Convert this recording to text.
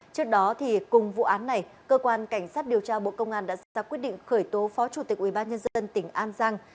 trước đó cùng vụ án này cơ quan cảnh sát điều tra bộ công an đã ra quyết định khởi tố phó chủ tịch ubnd tỉnh an giang